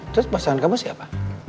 terus pasangan kamu siapa